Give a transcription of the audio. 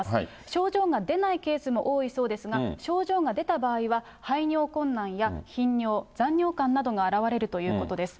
症状が出ないケースも多いそうですが、症状が出た場合は、排尿困難や頻尿、残尿感などが現れるということです。